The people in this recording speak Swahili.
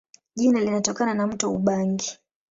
Jina linatokana na mto Ubangi.